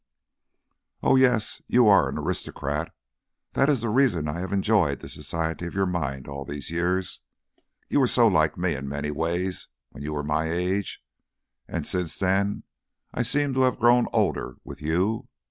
"Oh, yes, you are an aristocrat. That is the reason I have enjoyed the society of your mind all these years. You were so like me in many ways when you were my age, and since then I seem to have grown older with you.